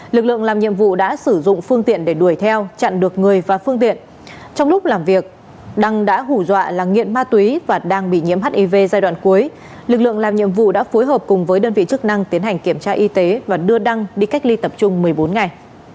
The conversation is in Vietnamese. lực lượng làm nhiệm vụ đã sử dụng phương tiện để đuổi theo chặn được người và phương tiện trong lúc làm việc đăng đã hủ dọa là nghiện ma túy và đang bị nhiễm hiv giai đoạn cuối lực lượng làm nhiệm vụ đã phối hợp cùng với đơn vị chức năng tiến hành kiểm tra y tế và đưa đăng đi cách ly tập trung một mươi bốn ngày